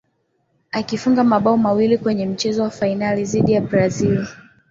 akifunga mabao mawili kwenye mchezo wa fainali dhidi ya Brazil